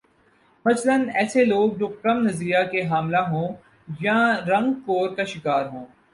مثلا ایس لوگ جو کم نظریہ کے حاملہ ہوں یا رنگ کور کا شکار ہوں